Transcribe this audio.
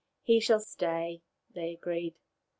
" He shall stay," they agreed.